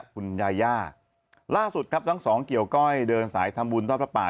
คุณยาย่าล่าสุดครับทั้งสองเกี่ยวก้อยเดินสายทำบุญทอดพระป่า